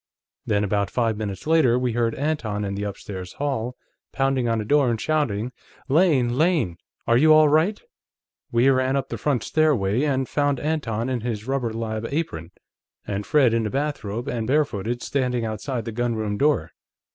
Then, about five minutes later, we heard Anton, in the upstairs hall, pounding on a door, and shouting: 'Lane! Lane! Are you all right?' We ran up the front stairway, and found Anton, in his rubber lab apron, and Fred, in a bathrobe, and barefooted, standing outside the gunroom door.